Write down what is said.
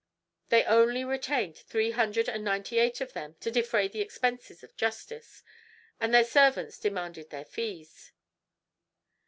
They only retained three hundred and ninety eight of them to defray the expenses of justice; and their servants demanded their fees.